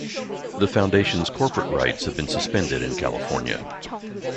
The foundation's corporate rights have been suspended in California.